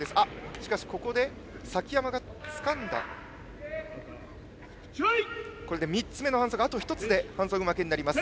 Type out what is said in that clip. しかし、ここで崎山がつかんだということで３つ目の反則、あと１つで反則負けになります。